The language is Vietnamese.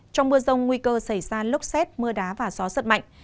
trong mưa rông nguy cơ xảy ra lốc xét mưa đá và gió giật mạnh